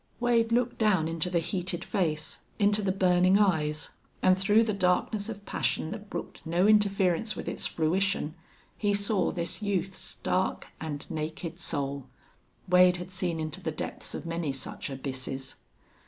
Wade looked down into the heated face, into the burning eyes; and through the darkness of passion that brooked no interference with its fruition he saw this youth's stark and naked soul. Wade had seen into the depths of many such abysses.